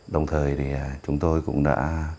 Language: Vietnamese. đồng thời thì chúng tôi cũng đã